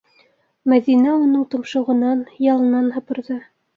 Мәҙинә уның томшоғонан, ялынан һыпырҙы.